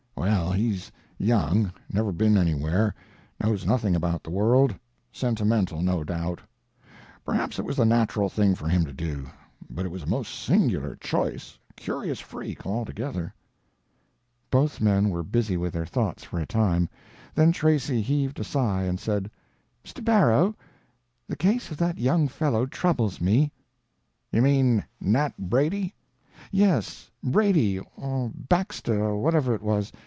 Well, he's young, never been anywhere, knows nothing about the world, sentimental, no doubt. Perhaps it was the natural thing for him to do, but it was a most singular choice, curious freak, altogether." Both men were busy with their thoughts for a time, then Tracy heaved a sigh and said, "Mr. Barrow, the case of that young fellow troubles me." "You mean Nat Brady?" "Yes, Brady, or Baxter, or whatever it was.